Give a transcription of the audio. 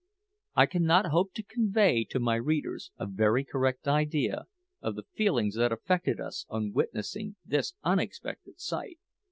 I cannot hope to convey to my readers a very correct idea of the feelings that affected us on witnessing this unexpected sight.